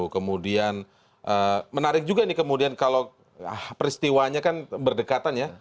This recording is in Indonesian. kemudian menarik juga ini kemudian kalau peristiwanya kan berdekatan ya